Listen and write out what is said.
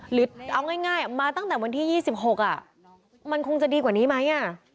หรือเอาง่ายมาตั้งแต่วันที่๒๖มันคงจะดีกว่านี้ไหม